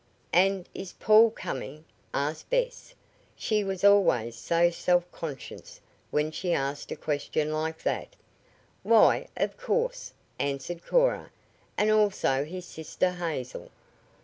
"And is Paul coming?" asked Bess. She was always so self conscious when she asked a question like that. "Why, of course," answered Cora, "and also his sister Hazel.